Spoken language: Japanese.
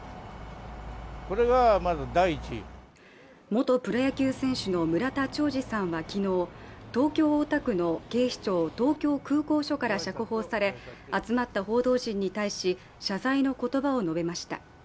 元プロ野球選手の村田兆治さんは昨日、東京・大田区の警視庁東京空港署から釈放され、集まった報道陣に対し謝罪の言葉を述べました。